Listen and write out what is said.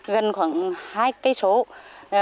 gần khoảng hai km